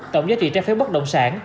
tổng giá trị trái phiếu bất động sản